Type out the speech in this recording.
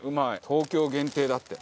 東京限定だって。